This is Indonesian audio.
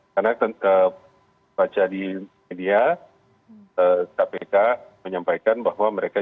karena baca di media kpk menyampaikan bahwa mereka